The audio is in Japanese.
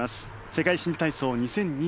世界新体操２０２２。